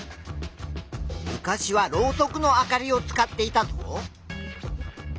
昔はろうそくの明かりを使っていたぞ。